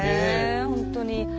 本当に。